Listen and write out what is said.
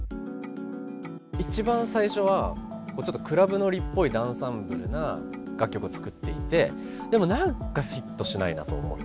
一番最初はちょっとクラブのりっぽいダンサブルな楽曲を作っていてでも何かフィットしないなと思って。